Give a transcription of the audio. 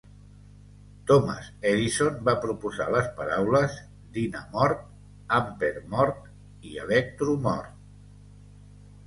Thomas Edison va proposar les paraules "dynamort", "ampermort" i "electromort".